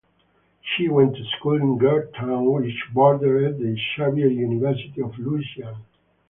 She went to school in "Gert Town" which bordered the Xavier University of Louisiana.